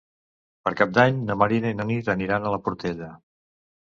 Per Cap d'Any na Martina i na Nit aniran a la Portella.